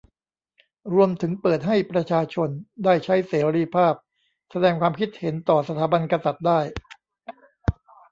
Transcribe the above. รวมถึงเปิดให้ประชาชน ได้ใช้เสรีภาพแสดงความคิดเห็นต่อสถาบันกษัตริย์ได้